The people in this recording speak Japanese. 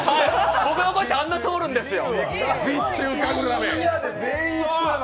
俺の声って、あんな通るんですよ。